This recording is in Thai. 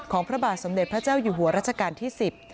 พระบาทสมเด็จพระเจ้าอยู่หัวรัชกาลที่สิบ